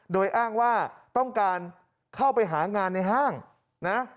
โดยอ้างว่าต้องการเข้าไปหางานในห้างนะ